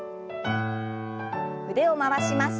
腕を回します。